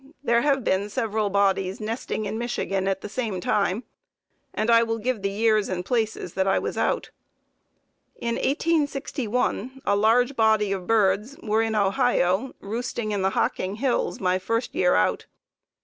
There have been several bodies nesting in Michigan at the same time, and I will give the years and places that I was out. In 1861 a large body of birds were in Ohio roosting in the Hocking Hills, my first year out.